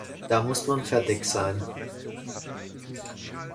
Da muss man fertig sein“.